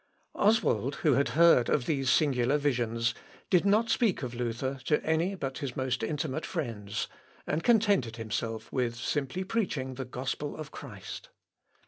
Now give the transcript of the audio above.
Oswald, who had heard of these singular visions, did not speak of Luther to any but his most intimate friends, and contented himself with simply preaching the gospel of Christ.